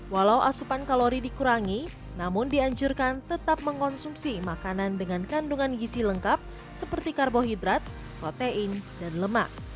walau asupan kalori dikurangi namun dianjurkan tetap mengkonsumsi makanan dengan kandungan gisi lengkap seperti karbohidrat protein dan lemak